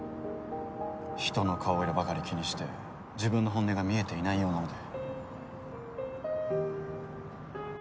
人の顔色ばかり気にして自分の本音が見えていないようなので。